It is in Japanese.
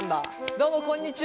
どうもこんにちは。